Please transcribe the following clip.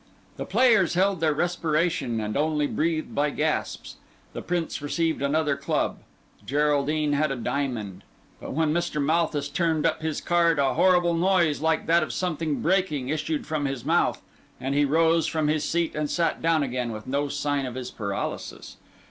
The players held their respiration, and only breathed by gasps. The Prince received another club; Geraldine had a diamond; but when Mr. Malthus turned up his card a horrible noise, like that of something breaking, issued from his mouth; and he rose from his seat and sat down again, with no sign of his paralysis.